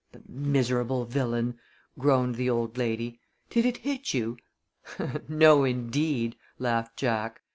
"The miserable villain!" groaned the old lady. "Did it hit you?" "No, indeed," laughed Jack.